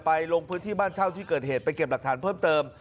ลงพื้นที่บ้านเช่าที่เกิดเหตุไปเก็บหลักฐานเพิ่มเติม